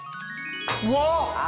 うわっ！